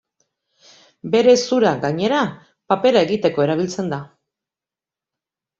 Bere zura, gainera, papera egiteko erabiltzen da.